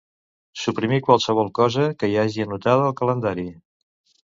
Suprimir qualsevol cosa que hi hagi anotada al calendari.